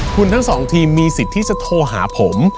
คุณทั้งสองทีมมีสิทธิ์ที่จะโทรหาผม